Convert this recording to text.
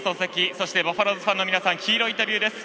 そして、バファローズファンの皆さんヒーローインタビューです。